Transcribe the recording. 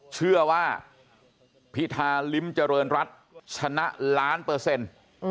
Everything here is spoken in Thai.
เชื่อว่าพิธาลิ้มเจริญรัฐชนะล้านเปอร์เซ็นต์